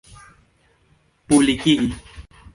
publikigi